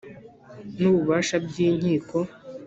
N ububasha by inkiko